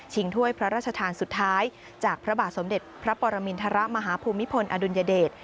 ถ้วยพระราชทานสุดท้ายจากพระบาทสมเด็จพระปรมินทรมาฮภูมิพลอดุลยเดช